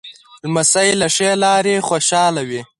لمسی له ښې لاره خوشحاله وي.